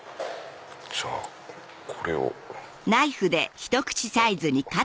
じゃあこれを。